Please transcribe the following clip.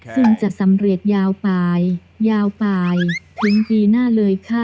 ซึ่งจะสำเร็จยาวไปยาวไปถึงปีหน้าเลยค่ะ